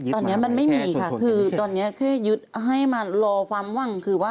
ตอนนี้มันไม่มีค่ะคือตอนนี้คือยึดให้มารอความหวังคือว่า